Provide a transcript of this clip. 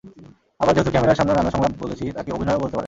আবার যেহেতু ক্যামেরার সামনে নানা সংলাপ বলেছি, তাকে অভিনয়ও বলতে পারেন।